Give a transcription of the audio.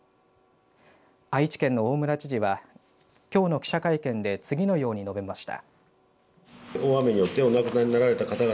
愛知県の大村知事はきょうの記者会見で次のように述べました。